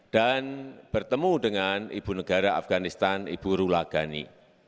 dan bertemu dengan ibu negara afganistan ibu rula ghani